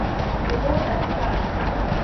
د مور نصېحت